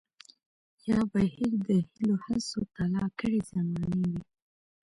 يا بهير د هيلو هڅو تالا کړے زمانې وي